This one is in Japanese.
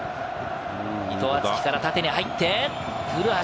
伊藤敦樹から縦に入って、古橋。